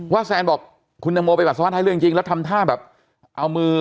ว่าแซนบอกคุณตังโมไปปัสสาวะท้ายเรือจริงจริงแล้วทำท่าแบบ